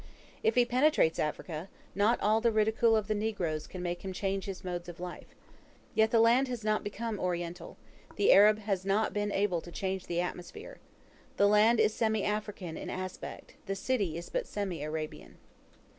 If he penetrates Africa, not all the ridicule of the negroes can make him change his modes of life. Yet the land has not become Oriental; the Arab has not been able to change the atmosphere. The land is semi African in aspect; the city is but semi Arabian.